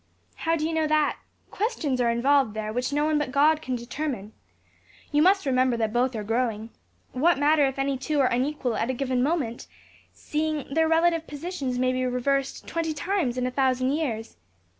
"How do you know that? Questions are involved there which no one but God can determine. You must remember that both are growing. What matter if any two are unequal at a given moment, seeing their relative positions may be reversed twenty times in a thousand years?